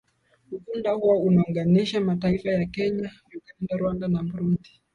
Ukunda huo unaunganisha mataifa ya Kenya Uganda Rwanda na Burundi